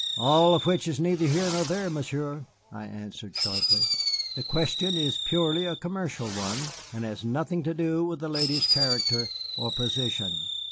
"All of which is neither here nor there, Monsieur," I answered sharply. "The question is purely a commercial one, and has nothing to do with the lady's character or position."